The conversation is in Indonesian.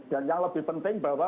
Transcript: dan yang lebih penting bahwa